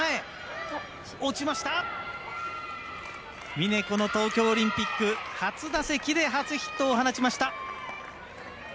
峰、この東京オリンピック初打席で初ヒットを放ちました。